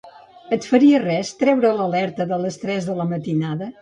Et faria res treure l'alerta de les tres de la matinada?